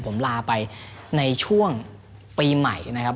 ผมลาไปในช่วงปีใหม่นะครับ